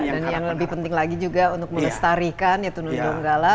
dan yang lebih penting lagi juga untuk menestarikan nunggala